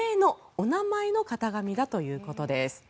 お名前の型紙だということです。